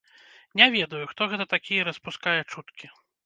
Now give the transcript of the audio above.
Не ведаю, хто гэта такія распускае чуткі.